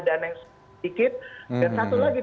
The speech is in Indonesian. dana yang sedikit dan satu lagi